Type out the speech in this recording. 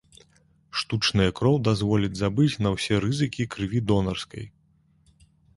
Штучная кроў дазволіць забыць на ўсе рызыкі крыві донарскай.